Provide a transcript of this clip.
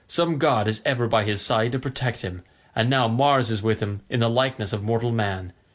Some god is ever by his side to protect him, and now Mars is with him in the likeness of mortal man.